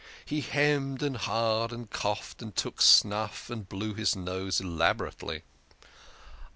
He hemmed and ha'd and coughed, and took snuff, and blew his nose elaborately.